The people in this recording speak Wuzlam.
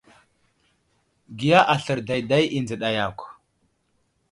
Giya aslər dayday i nzəɗa yakw.